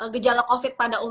gejala covid itu kan yang kayak